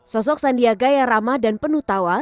sosok sandiaga yang ramah dan penuh tawa